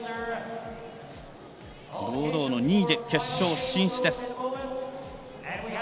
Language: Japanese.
堂々の２位で決勝進出です。